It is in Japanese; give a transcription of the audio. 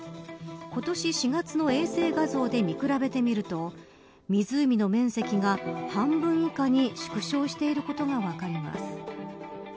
４月の衛星画像で見比べてみると湖の面積が半分以下に縮小していることが分かります